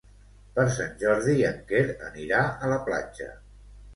Per Sant Jordi en Quer anirà a la platja.